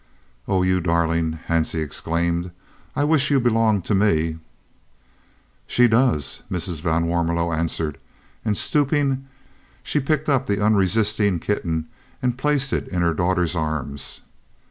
"Oh, you darling!" Hansie exclaimed. "I wish you belonged to me!" "She does," Mrs. van Warmelo answered, and stooping, she picked up the unresisting kitten and placed it in her daughter's arms.